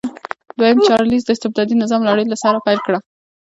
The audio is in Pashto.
دویم چارلېز د استبدادي نظام لړۍ له سره پیل کړه.